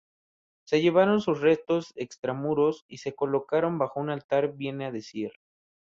Se llevaron sus restos extramuros y se colocaron bajo un altar viene a decir..